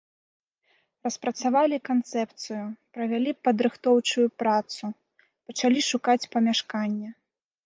Распрацавалі канцэпцыю, правялі падрыхтоўчую працу, пачалі шукаць памяшканне.